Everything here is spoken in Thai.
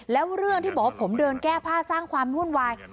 แล้วเรื่องที่บอกว่าผมเดินแก้ผ้าสร้างความวุ่นวาย